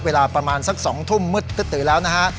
เวลาประมาณสัก๒ทุ่มมืดก็ตื่นแล้วนะฮะ